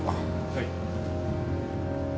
はい。